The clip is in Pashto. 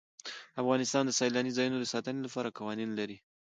افغانستان د سیلاني ځایونو د ساتنې لپاره قوانین لري.